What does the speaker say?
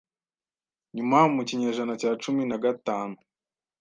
Nyuma mu kinyejana cya cumi na gatanu